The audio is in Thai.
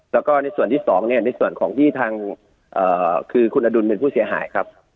แล้วก็ในส่วนที่สองเนี่ยในส่วนของที่ทางคือคุณอดุลเป็นผู้เสียหายครับ